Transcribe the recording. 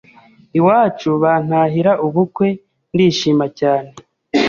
iwacu bantahira ubukwe ndishima cyane